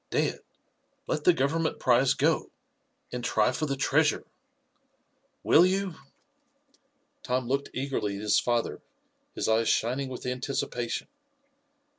Dad, let the Government prize go, and try for the treasure. Will you?" Tom looked eagerly at his father, his eyes shining with anticipation.